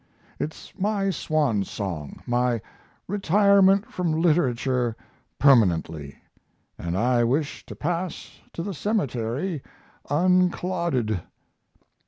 It's my swan song, my retirement from literature permanently, and I wish to pass to the cemetery unclodded....